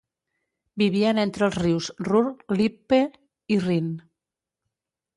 Vivien entre els rius Ruhr, Lippe i Rin.